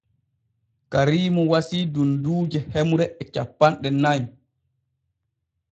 Kariimu wasii dunduuje hemre e cappanɗe nay.